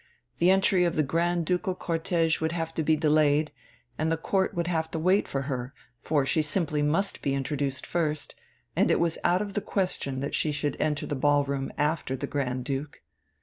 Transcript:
the entry of the Grand Ducal cortège would have to be delayed, and the Court would have to wait for her, for she simply must be introduced first, and it was out of the question that she should enter the ballroom after the Grand Duke.